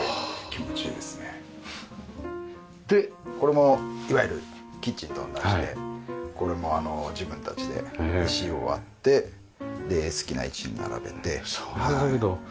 これもいわゆるキッチンと同じでこれも自分たちで石を割って好きな位置に並べてはい。